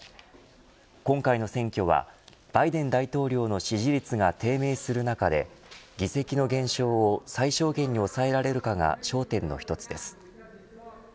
今回の選挙はバイデン大統領の支持率が低迷する中で議席の減少を最小限に抑えられるかが焦点の一つです。